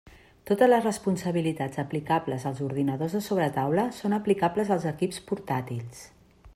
Totes les responsabilitats aplicables als ordinadors de sobretaula són aplicables als equips portàtils.